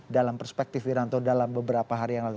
dalam perspektif wiranto dalam beberapa hari yang lalu